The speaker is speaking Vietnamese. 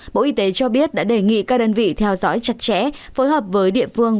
bộ y tế cho biết đã đề nghị các đơn vị theo dõi chặt chẽ phối hợp với địa phương